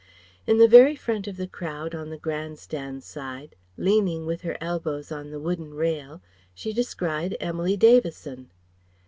In the very front of the crowd on the Grand Stand side, leaning with her elbows on the wooden rail, she descried Emily Davison.